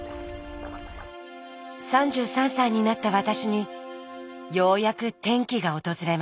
３３歳になった私にようやく転機が訪れました。